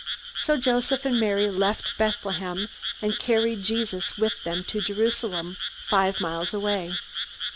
So Joseph and Mary left Bethlehem, and carried Jesus with them to Jerusalem, five miles away.